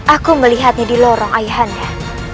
aku melihatnya di lorong ayah hendra